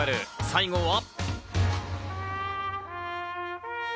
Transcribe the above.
最後は。